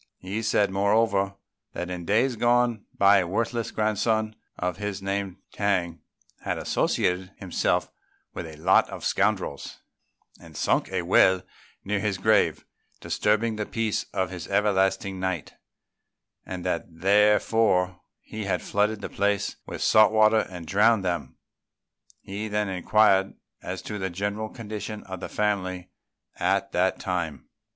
He said, moreover, that in days gone by a worthless grandson of his named T'ang, had associated himself with a lot of scoundrels and sunk a well near his grave, disturbing the peace of his everlasting night; and that therefore he had flooded the place with salt water and drowned them. He then inquired as to the general condition of the family at that time.